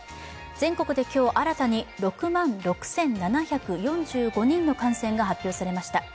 全国で今日新たに、６万６７４５人の感染が発表されました。